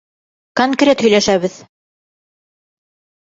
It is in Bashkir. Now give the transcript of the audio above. Конкрет һөйләшәбеҙ.